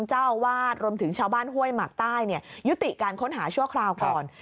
เจ้าอาวาสรวมถึงชาวบ้านห้วยหมากใต้ยุติการค้นหาชั่วคราวก่อน